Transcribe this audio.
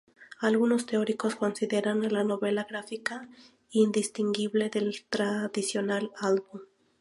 Algunos teóricos consideran a la novela gráfica indistinguible del tradicional álbum.